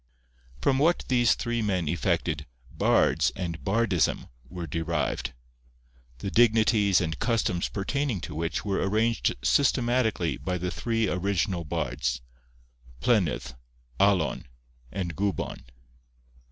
From what these three men effected Bards and Bardism were derived; the dignities and customs pertaining to which were arranged systematically by the three original bards, Plenydd, Alon, and Gwbon.